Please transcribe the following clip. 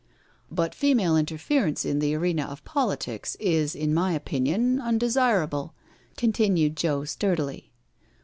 " But female interference in the arena of politics is, in my opinion, undesirable,'* continued Joe sturdily.